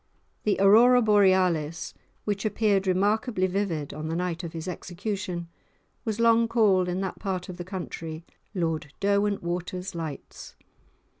The aurora borealis, which appeared remarkably vivid on the night of his execution, was long called in that part of the country "Lord Derwentwater's Lights."